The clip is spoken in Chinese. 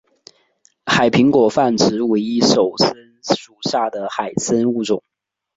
海苹果泛指伪翼手参属下的海参物种。